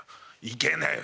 いけねえ。